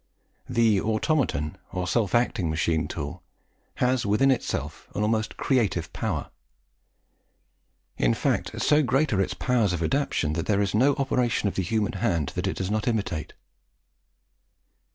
The automaton or self acting machine tool has within itself an almost creative power; in fact, so great are its powers of adaptation, that there is no operation of the human hand that it does not imitate."